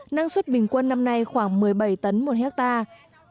năng suất bình quân năm nay khoảng một mươi bảy tấn một hectare